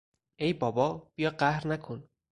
ای بابا - بیا قهر نکن!